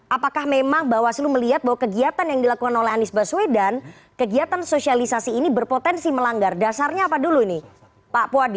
apakah memang bawaslu melihat bahwa kegiatan yang dilakukan oleh anies baswedan kegiatan sosialisasi ini berpotensi melanggar dasarnya apa dulu ini pak puadi